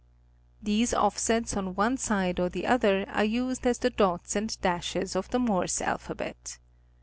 These offsets on cne side or the other are used as the dots and dashes of the Morse alphabet.